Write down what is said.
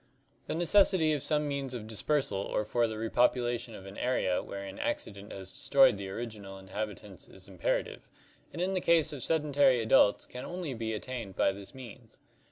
The necessity of some means of dispersal or for the repopulation of an area wherein accident has destroyed the original inhabitants . is imperative, and in the case of sedentary adults can only be at tained by this means.